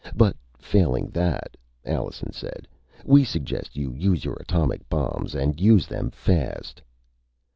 "But failing that," Allenson said, "we suggest you use your atomic bombs, and use them fast."